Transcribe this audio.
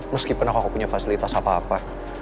meskipun aku punya fasilitas apa apa